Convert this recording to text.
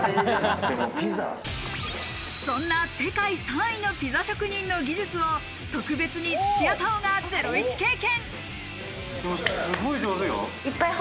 そんな世界３位のピザ職人の技術を特別に土屋太鳳がゼロイチ経験。